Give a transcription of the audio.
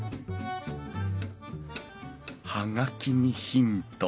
葉書にヒント。